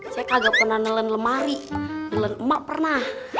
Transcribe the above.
saya kagak pernah nelen lemari nelen emak pernah